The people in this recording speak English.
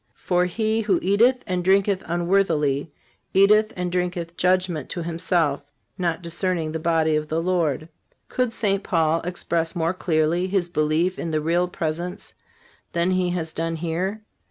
For, he who eateth and drinketh unworthily, eateth and drinketh judgment to himself, not discerning the body of the Lord."(375) Could St. Paul express more clearly his belief in the Real Presence than he has done here?